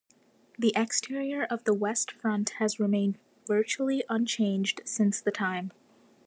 The exterior of the West Front has remained virtually unchanged since the time.